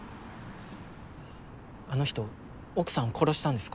あの人奥さんを殺したんですか？